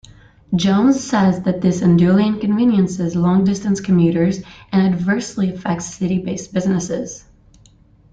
Jones says that this unduly inconveniences long-distance commuters and adversely affects city based businesses.